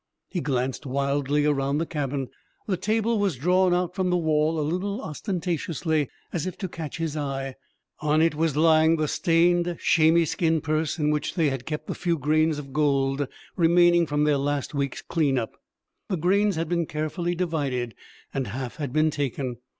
He glanced wildly around the cabin. The table was drawn out from the wall a little ostentatiously, as if to catch his eye. On it was lying the stained chamois skin purse in which they had kept the few grains of gold remaining from their last week's "clean up." The grains had been carefully divided, and half had been taken!